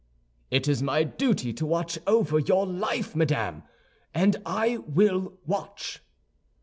"It is my duty to watch over your life, madame, and I will watch."